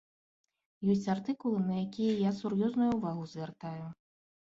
Ёсць артыкулы, на якія я сур'ёзную ўвагу звяртаю.